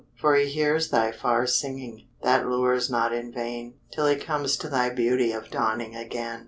For he hears thy far singing, That lures not in vain, Till he comes to thy beauty Of dawning again.